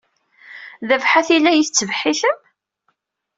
D abḥat ay la iyi-tbeḥḥtem?